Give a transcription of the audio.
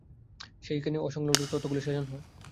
সেইখানেই অসংলগ্ন তথ্যগুলি সাজান হয়।